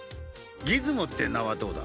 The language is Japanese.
ギズモって名はどうだ？